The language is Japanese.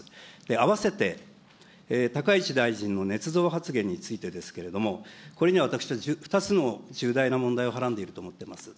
あわせて、高市大臣のねつ造発言についてですけれども、これに私は２つの重大な問題がはらんでいると思っています。